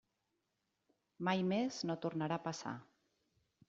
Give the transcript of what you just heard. Mai més no tornarà a passar.